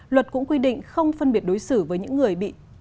luật cũng quy định không phân biệt đối xử với những người bị thiếu kỹ năng